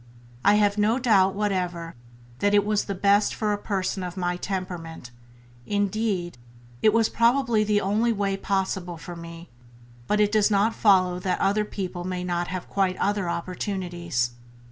I have no doubt whatever that it was the best for a person of my temperament; indeed, it was probably the only way possible for me; but it does not follow that other people may not have quite other opportunities.